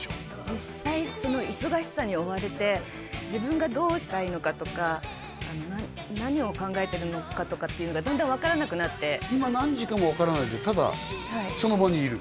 実際忙しさに追われて自分がどうしたいのかとか何を考えてるのかとかっていうのがだんだん分からなくなって今何時かも分からないでただその場にいる？